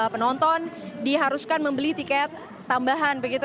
penonton diharuskan membeli tiket